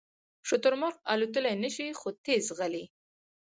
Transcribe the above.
شترمرغ الوتلی نشي خو تېز ځغلي